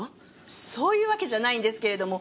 そういうわけじゃないんですけれども。